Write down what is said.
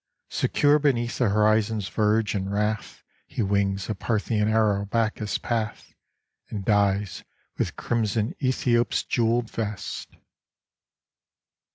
Secure beneath the horizon's verge, in wrath He wings a Parthian arrow back his path, And dyes with crimson Ethiop's jeweled vest.